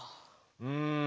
うん。